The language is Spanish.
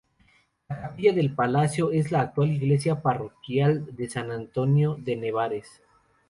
La capilla del palacio es la actual iglesia parroquial de San Antonio de Nevares.